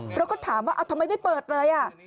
เราก็ถามว่าทำไมไม่เปิดเลย